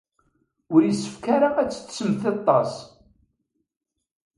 Ur yessefk ara ad tettettemt aṭas.